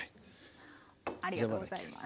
ありがとうございます。